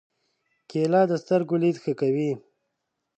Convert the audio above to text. کېله د سترګو لید ښه کوي.